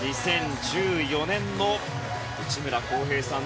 ２０１４年の内村航平さん